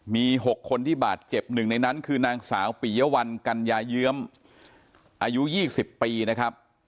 มี๖คนที่บาดเจ็บหนึ่งในนั้นคือนางสาวปียวัลกัญญาเยื้อมอายุ๒๐ปีนะครับ